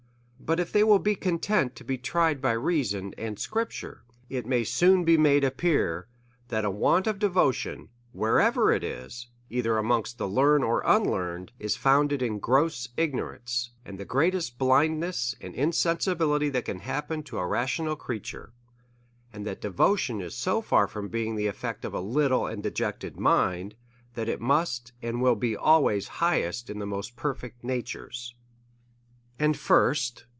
But if they will be content to be tried by rea son and scripture, it may soon be made to appear, that a want of devotion, wherever it is, either amongst the learned or unlearned, is founded in gross igno rance, and the greatest blindness and insensibility that can happen to a rational creature ; and that de votion is so far from being the effect of a little and de jected mind, that it must and will be always highest in the most perfect natures. And first.